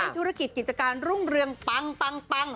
ธุรกิจกิจการรุ่งเรืองปัง